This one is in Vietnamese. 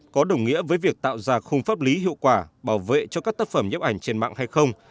có đồng nghĩa với việc tạo ra khung pháp lý hiệu quả bảo vệ cho các tác phẩm nhếp ảnh trên mạng hay không